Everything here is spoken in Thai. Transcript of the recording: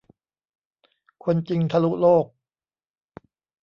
คนจริงทะลุโลก